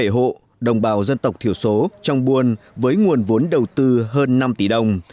bảy hộ đồng bào dân tộc thiểu số trong buôn với nguồn vốn đầu tư hơn năm tỷ đồng